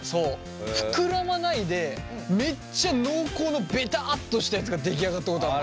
膨らまないでめっちゃ濃厚のベタっとしたやつが出来上がったことある。